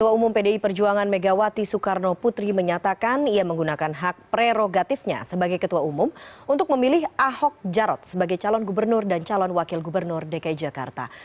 ketua umum pdi perjuangan megawati soekarno putri menyatakan ia menggunakan hak prerogatifnya sebagai ketua umum untuk memilih ahok jarot sebagai calon gubernur dan calon wakil gubernur dki jakarta